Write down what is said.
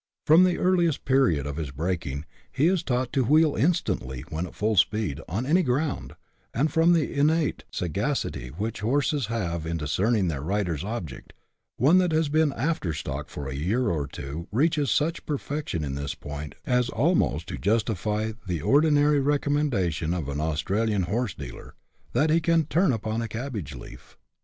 From the earliest period of his breaking, he is taught to wheel instantly when at full speed, on any ground ; and from the innate sagacity which horses have in discerning their rider's object, one that has been " after stock " for a year or two reaches such perfection in this point as almost to justify the ordinary recommendation of an Australian horse dealer, that he can " turn upon a cabbage leaf."